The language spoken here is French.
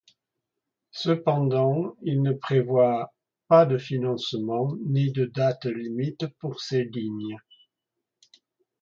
Cependant, il ne prévoit pas de financement ni de date limite pour ces lignes.